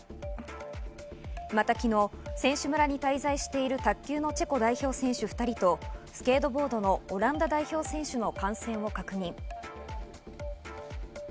また昨日、選手村に滞在している卓球のチェコ代表選手２人と、スケートボードのオランダ代表選手の感染を確認。